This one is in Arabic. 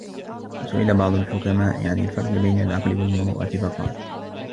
وَسُئِلَ بَعْضُ الْحُكَمَاءِ عَنْ الْفَرْقِ بَيْنَ الْعَقْلِ وَالْمُرُوءَةِ فَقَالَ